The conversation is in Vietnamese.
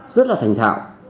rất là thành thạo